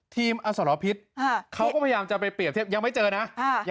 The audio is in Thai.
อสรพิษเขาก็พยายามจะไปเปรียบเทียบยังไม่เจอนะ